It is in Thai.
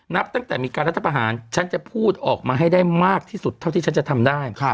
นับตั้งแต่มีการรัฐประหารฉันจะพูดออกมาให้ได้มากที่สุดเท่าที่ฉันจะทำได้